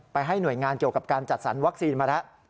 ให้หน่วยงานเกี่ยวกับการจัดสรรวัคซีนมาแล้ว